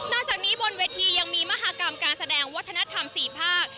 จากนี้บนเวทียังมีมหากรรมการแสดงวัฒนธรรม๔ภาค